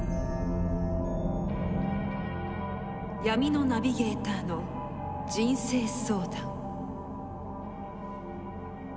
闇のナビゲーターの人生相談。